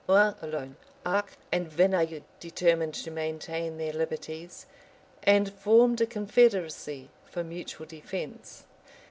Rouen alone, Arques, and Verneuil determined to maintain their liberties; and formed a confederacy for mutual defence.